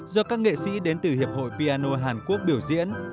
do các nghệ sĩ đến từ hiệp hội piano hàn quốc biểu diễn